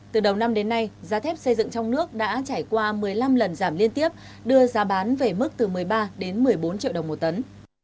từ đầu năm đến nay giá thép xây dựng trong nước đã trải qua một mươi năm lần giảm liên tiếp đưa giá bán về mức từ một mươi ba đến một mươi bốn triệu đồng một tấn